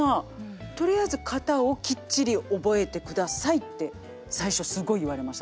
「とりあえず型をきっちり覚えてください」って最初すごい言われました。